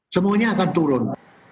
semuanya akan turun